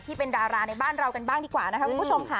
ที่เป็นดาราในบ้านเรากันบ้างดีกว่านะคะคุณผู้ชมค่ะ